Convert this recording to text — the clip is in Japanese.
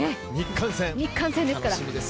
日韓戦ですから。